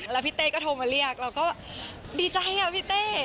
แล้วพี่เต้ก็โทรมาเรียกเราก็ดีใจอ่ะพี่เต้